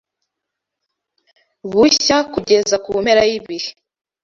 bushya kugeza ku mperuka y’ibihe